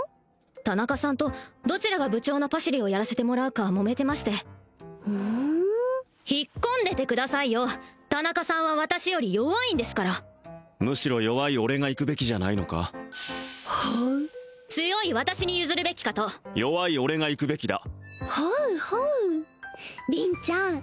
田中さんとどちらが部長のパシリをやらせてもらうかもめてましてふん引っ込んでてくださいよ田中さんは私より弱いんですからむしろ弱い俺が行くべきじゃないのかほう強い私に譲るべきかと弱い俺が行くべきだほうほう凛ちゃん